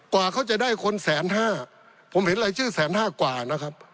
กว่าเขาจะได้คนแสนห้าผมเห็นรายชื่อแสนห้ากว่านะครับ